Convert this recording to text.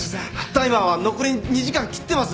タイマーは残り２時間切ってます。